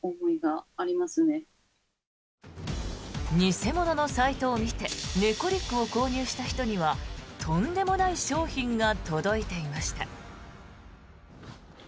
偽物のサイトを見て猫リュックを購入した人にはとんでもない商品が届いていました。